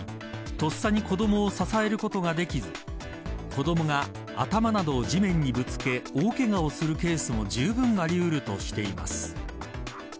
とっさに子どもを支えることができず子どもが頭などを地面にぶつけ大けがをするケースもじゅうぶんあり得るとしています。